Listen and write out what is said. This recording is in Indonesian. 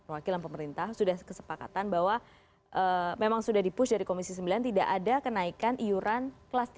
wakilan pemerintah sudah kesepakatan bahwa memang sudah di push dari komisi sembilan tidak ada kenaikan iuran kelas tiga